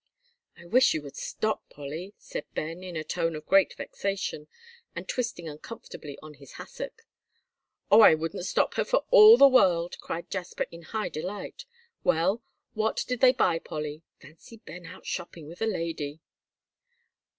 "I wish you would stop, Polly," said Ben, in a tone of great vexation, and twisting uncomfortably on his hassock. "Oh, I wouldn't stop her for all the world," cried Jasper, in high delight. "Well, what did they buy, Polly? Fancy Ben out shopping with a lady!"